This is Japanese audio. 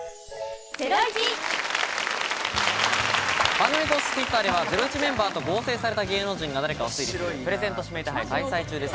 番組公式Ｔｗｉｔｔｅｒでは『ゼロイチ』メンバーと合成された芸能人が誰かを推理するプレゼント指名手配を開催中です。